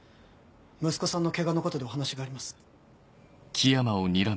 息子さんのケガのことでお話があります。